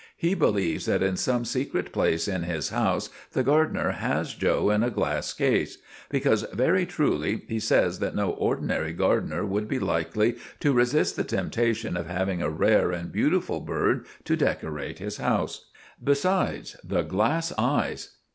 He believes that in some secret place in his house the gardener has 'Joe' in a glass case; because, very truly, he says that no ordinary gardener would be likely to resist the temptation of having a rare and beautiful bird to decorate his house. Besides, the glass eyes.